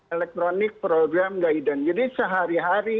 elektronik program guidance jadi sehari hari